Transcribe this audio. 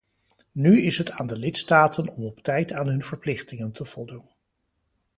Nu is het aan de lidstaten om op tijd aan hun verplichtingen te voldoen.